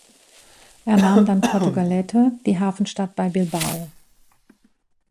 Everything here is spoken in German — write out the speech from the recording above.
Er nahm dann Portugalete, die Hafenstadt bei Bilbao.